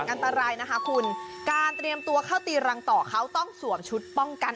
อันตรายนะคะคุณการเตรียมตัวเข้าตีรังต่อเขาต้องสวมชุดป้องกัน